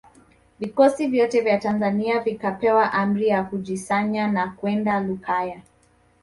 Vikosi vyote vya Tanzania vikapewa amri ya kujikusanya na kwenda Lukaya